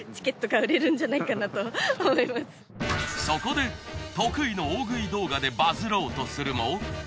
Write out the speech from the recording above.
そこで得意の大食い動画でバズろうとするも。